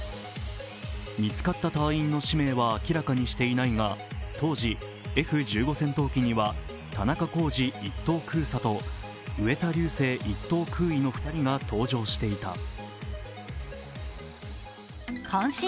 見つかった隊員の指名は明らかにしていないが、当時、Ｆ−１５戦闘機には田中公司１等空佐と植田竜生１等空尉の２人が搭乗していた。